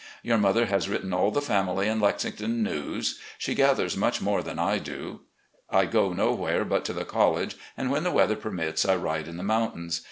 Your mother has written all the family and Lexington news. She gathers much more than I do. I go nowhere but to the college, and when the weather permits I ride in the mountains.